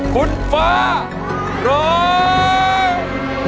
คุณฟ้าร้อง